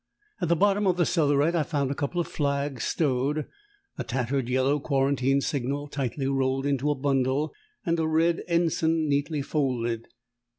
At the bottom of the cellaret I found a couple of flags stowed a tattered yellow quarantine signal tightly rolled into a bundle, and a red ensign neatly folded.